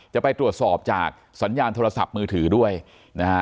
จะไปตรวจสอบจากสัญญาณโทรศัพท์มือถือด้วยนะฮะ